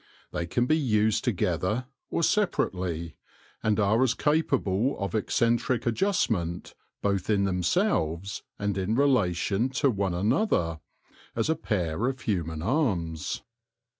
They can be used together or separately, and are as capable of eccentric adjustment, both in themselves and in relation to one another, as a pair of human arms.